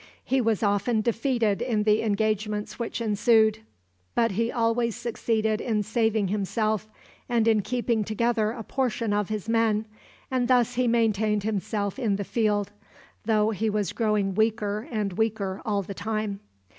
He was often defeated in the engagements which ensued, but he always succeeded in saving himself and in keeping together a portion of his men, and thus he maintained himself in the field, though he was growing weaker and weaker all the time.